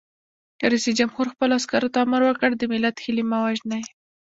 رئیس جمهور خپلو عسکرو ته امر وکړ؛ د ملت هیلې مه وژنئ!